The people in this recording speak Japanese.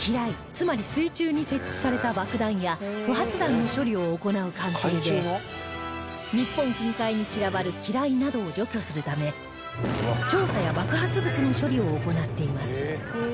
つまり水中に設置された爆弾や不発弾の処理を行う艦艇で日本近海に散らばる機雷などを除去するため調査や爆発物の処理を行っています